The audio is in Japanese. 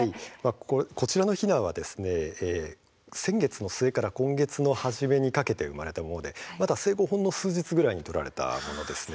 こちらのひなは先月の末から今月の初めにかけて生まれたものでまだ生後ほんの数日ぐらいに撮られたものです。